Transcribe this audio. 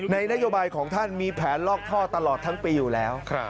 นโยบายของท่านมีแผนลอกท่อตลอดทั้งปีอยู่แล้ว